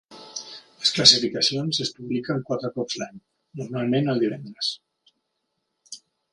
Les classificacions es publiquen quatre cops l'any, normalment el divendres.